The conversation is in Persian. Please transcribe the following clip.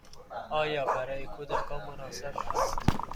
آیا برای کودکان مناسب است؟